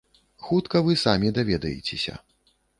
Хутка вы самі даведаецеся.